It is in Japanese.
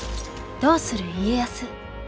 「どうする家康」。